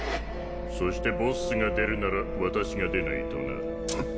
そしてボッスが出るなら私が出ないとな。